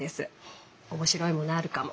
面白いものあるかも。